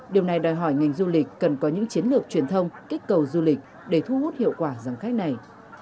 điều này đòi hỏi ngành du lịch cần có những chiến lược truyền thông kích cầu du lịch để thu hút hiệu quả dòng khách này